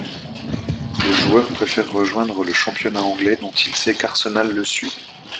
Le joueur préfère rejoindre le championnat anglais dont il sait qu'Arsenal le suit.